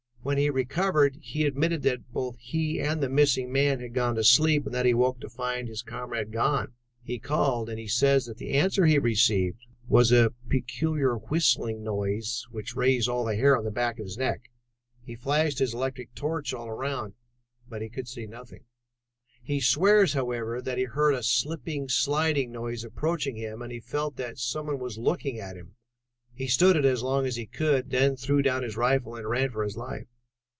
When he recovered, he admitted that both he and the missing man had gone to sleep and that he awoke to find his comrade gone. He called, and he says that the answer he received was a peculiar whistling noise which raised all the hair on the back of his neck. He flashed his electric torch all around, but could see nothing. He swears, however, that he heard a slipping, sliding noise approaching him, and he felt that some one was looking at him. He stood it as long as he could and then threw down his rifle and ran for his life."